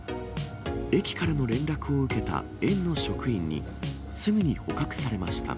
駅からの連絡を受けた園の職員に、すぐに捕獲されました。